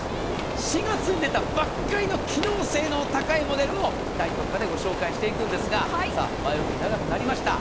４月に出たばかりの機能性の高いモデルを大特価でご紹介していくんですが前置きが長くなりました。